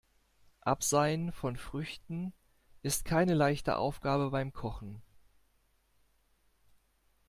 Abseien von Früchten ist keine leichte Aufgabe beim Kochen.